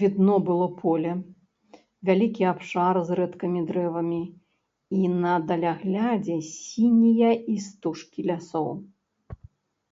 Відно было поле, вялікі абшар з рэдкімі дрэвамі і на даляглядзе сінія істужкі лясоў.